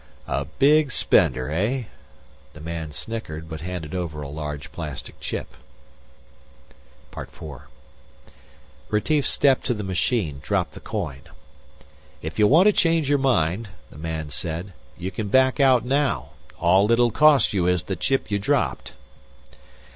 "A big spender, eh?" The man snickered, but handed over a large plastic chip. IV Retief stepped to the machine, dropped the coin. "If you want to change your mind," the man said, "you can back out now. All it'll cost you is the chip you dropped."